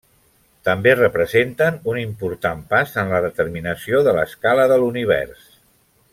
També representen un important pas en la determinació de l'escala de l'univers.